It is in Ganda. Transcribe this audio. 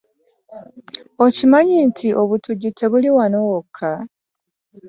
Okimanyi nti obutujju tebuli wano woka.